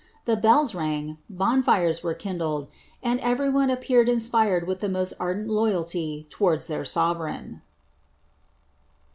The bells rang, bonfires n M kindled, and every one appeared inspired with the most ardent lovaliv towards iheir sovereign.